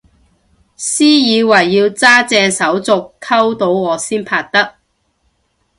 私以為要揸正手續溝到我先拍得